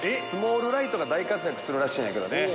スモールライトが大活躍するらしいんやけどね。